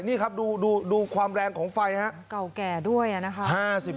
นี่ครับดูความแรงของไฟฮะเก่าแก่ด้วยนะครับ